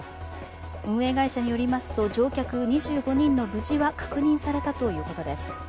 運営会社によりますと、乗客２５人の無事は確認されたということです。